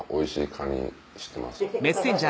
カニ知ってます。